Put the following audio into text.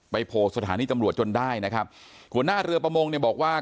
โผล่สถานีตำรวจจนได้นะครับหัวหน้าเรือประมงเนี่ยบอกว่า